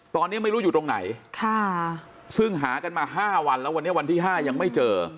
ตอนนี้ไม่รู้อยู่ตรงไหนซึ่งหากันมา๕วันแล้ววันนี้วันที่๕ยังไม่เจอ